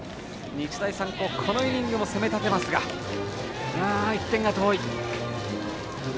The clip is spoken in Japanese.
日大三高、このイニングも攻め立てますが１点が遠い。